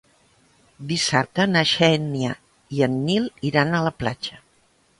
Dissabte na Xènia i en Nil iran a la platja.